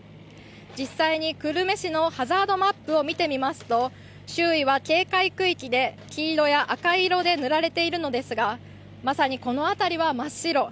実際に久留米市のハザードマップを見てみますと周囲は警戒区域で黄色や赤色で塗られているのですが、まさにこの辺りは真っ白。